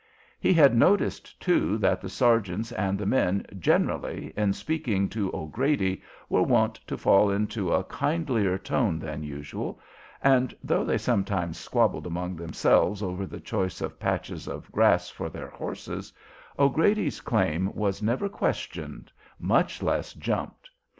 He had noticed, too, that the sergeants and the men generally, in speaking to O'Grady, were wont to fall into a kindlier tone than usual, and, though they sometimes squabbled among themselves over the choice of patches of grass for their horses, O'Grady's claim was never questioned, much less "jumped."